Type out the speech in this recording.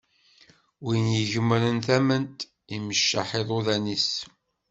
Win igemren tament, imecceḥ iḍudan-is.